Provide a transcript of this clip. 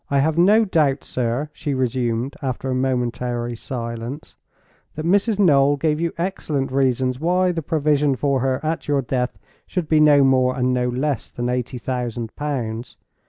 "I have no doubt, sir," she resumed, after a momentary silence, "that Mrs. Noel gave you excellent reasons why the provision for her at your death should be no more, and no less, than eighty thousand pounds.